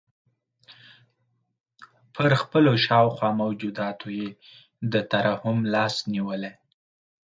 پر خپلو شاوخوا موجوداتو یې د ترحم لاس نیولی.